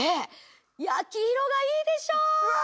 焼き色がいいでしょう？